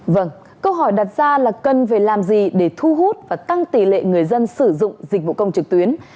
vâng câu hỏi đặt ra là cần phải làm gì để thu hút và tăng tỷ lệ người dân sử dụng dịch vụ công trực tuyến